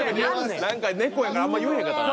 何かネコやからあんま言えへんかったな。